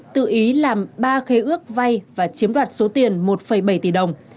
tự ý làm ba khế ước vay và chiếm đoạt số tiền một bảy tỷ đồng